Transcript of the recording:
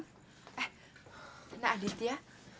eh tenang aditya